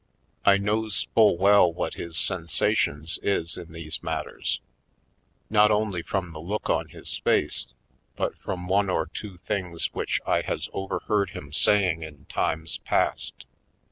I knows full well what his sensations is in these matters, not only from the look on his face, but from one or two things which I has overheard him saying in times past.